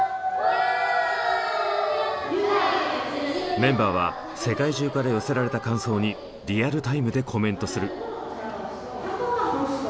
メンバーは世界中から寄せられた感想にリアルタイムでコメントする。